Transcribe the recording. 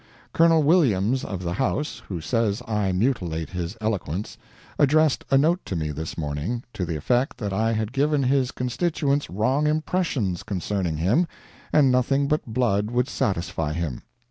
Col. Williams, of the House, who says I mutilate his eloquence, addressed a note to me this morning, to the effect that I had given his constituents wrong impressions concerning him, and nothing but blood would satisfy him.